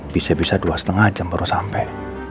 bisa bisa dua lima jam baru sampai